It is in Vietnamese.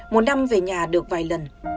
một năm về nhà được vài lần